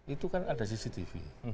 itu kan ada cctv